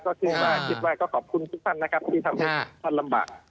ก็คิดว่าคิดว่าก็ขอบคุณทุกท่านนะครับที่ทำให้ท่านลำบาก